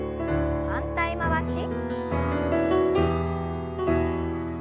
反対回し。